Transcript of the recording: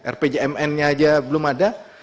rpjmnnya aja belum ada